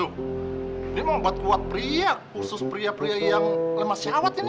loh dia mau buat kuat pria khusus pria pria yang lemah syawat ini